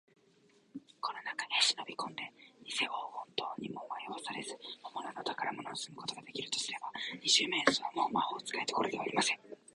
この中へしのびこんで、にせ黄金塔にもまよわされず、ほんものの宝物をぬすむことができるとすれば、二十面相は、もう魔法使いどころではありません。